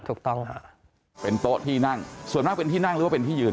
ถูกต้องค่ะเป็นโต๊ะที่นั่งส่วนมากเป็นที่นั่งหรือว่าเป็นที่ยืน